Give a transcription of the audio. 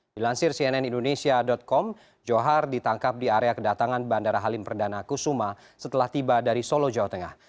dilansir cnn indonesia com johar ditangkap di area kedatangan bandara halim perdana kusuma setelah tiba dari solo jawa tengah